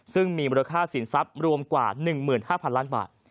ซึ่งมีมูลค่าสินทรัพย์รวมกว่า๑๕๐๐ล้านบาท